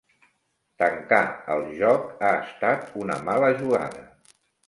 Tancar el joc ha estat una mala jugada.